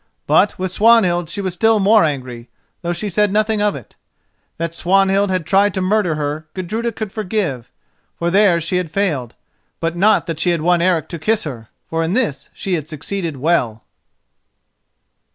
But with Swanhild she was still more angry, though she said nothing of it. That Swanhild had tried to murder her, Gudruda could forgive, for there she had failed; but not that she had won Eric to kiss her, for in this she had succeeded well.